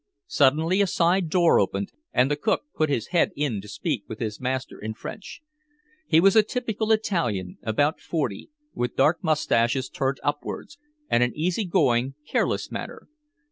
Suddenly a side door opened, and the cook put his head in to speak with his master in French. He was a typical Italian, about forty, with dark mustaches turned upwards, and an easy going, careless manner.